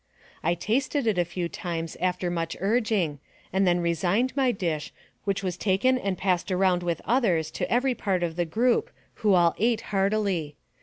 I tasted it a few times after much urging, and then resigned my dish, which was taken and passed around with others to every part of the group, who all ate heartily.